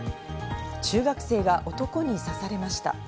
中学生が男に刺されました。